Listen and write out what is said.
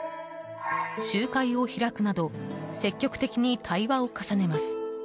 集会を開くなど積極的に対話を重ねます。